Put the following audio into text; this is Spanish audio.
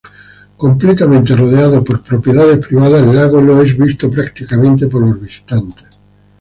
Completamente rodeado por propiedades privadas, el lago no es visto prácticamente por los visitantes.